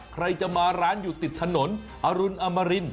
ใครจะมาร้านอยู่ติดถนนอรุณอมริน